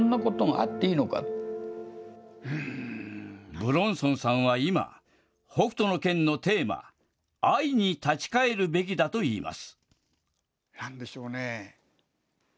武論尊さんは今、北斗の拳のテーマ、愛に立ち返るべきだといいます。